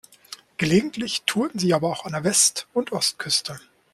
Gelegentlich tourten sie aber auch an der West- und Ostküste.